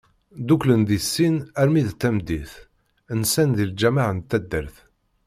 Ddukklen di sin, armi d tameddit, nsan di lğameε n taddart.